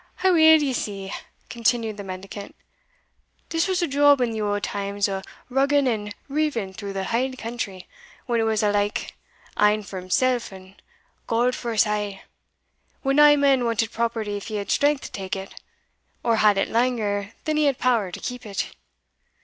"Aweel, ye see," continued the mendicant, "this was a job in the auld times o' rugging and riving through the hale country, when it was ilka ane for himsell, and God for us a' when nae man wanted property if he had strength to take it, or had it langer than he had power to keep it.